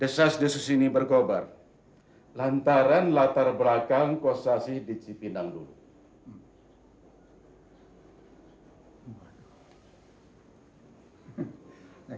desas desus ini bergobar lantaran latar belakang kustasih di cipinang dulu